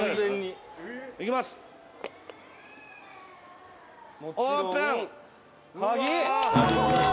「いきます」「オープン」「鍵！」